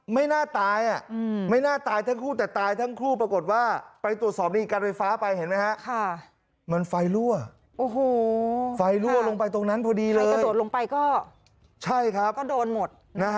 ไม่น่าตายทั้งคู่แต่ทั้งคู่ปรากฏว่าไปตรวจสอบ